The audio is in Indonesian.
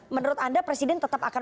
menurut anda presiden tetap akan